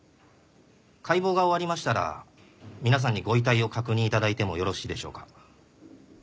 解剖が終わりましたら皆さんにご遺体を確認頂いてもよろしいでしょうか？